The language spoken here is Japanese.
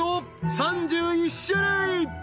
３１種類！